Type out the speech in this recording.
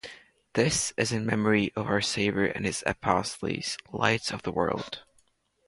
This is in memory of our Savior and his Apostles, lights of the world.